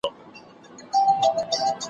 جنازې ته به یې ولي په سروسترګو ژړېدلای ,